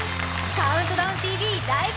「ＣＤＴＶライブ！